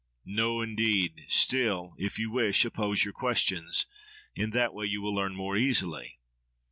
—No, indeed! Still, if you wish, oppose your questions. In that way you will learn more easily.